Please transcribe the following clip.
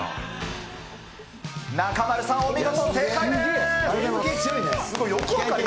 中丸さん、お見事、正解です。